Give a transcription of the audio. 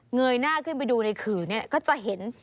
เงยหน้าขึ้นไปดูในขือก็จะเห็น